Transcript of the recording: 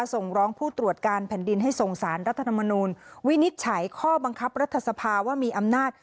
ส่งร้องผู้ตรวจการแผ่นดินให้ส่งสารรัฐธรรมนูลวินิจฉัยข้อบังคับรัฐสภาว่ามีอำนาจ